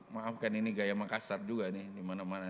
maafkan ini gaya makassar juga nih dimana mana